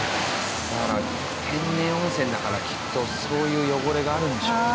天然温泉だからきっとそういう汚れがあるんでしょうね。